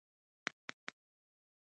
د پلار په ياد يې سلګۍ ووهلې.